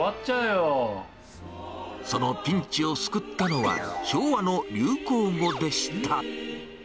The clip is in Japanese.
そのピンチを救ったのは、昭和の流行語でした。